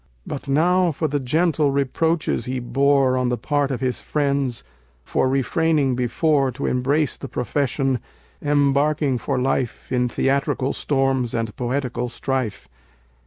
But now for the gentle reproaches he bore On the part of his friends, for refraining before To embrace the profession, embarking for life In theatrical storms and poetical strife.